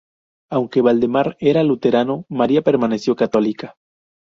Aunque Valdemar era luterano, María permaneció católica.